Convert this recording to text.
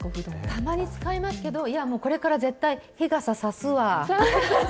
たまに使いますけど、いやもう、これから絶対、日傘差すわ。